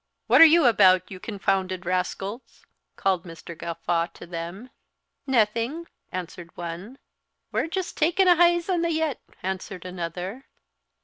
"What are you about, you confounded rascals?" called Mr. Gawffaw to them. "Naething," answered one. "We're just takin' a heize on the yett," answered another.